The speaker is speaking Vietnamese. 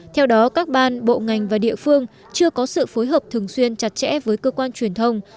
theo đó các ban bộ ngành và địa phương chưa có sự phối hợp thường xuyên chặt chẽ với cơ quan truyền thông